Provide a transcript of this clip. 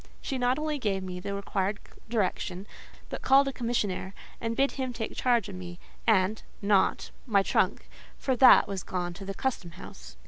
She not only gave me the required direction, but called a commissionaire, and bid him take charge of me, and—not my trunk, for that was gone to the custom house.